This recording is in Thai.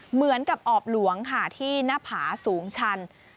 เหมือนกับออบหลวงค่ะที่หน้าผาสูงชัน